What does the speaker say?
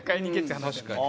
確かに。